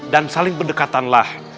dan saling berdekatanlah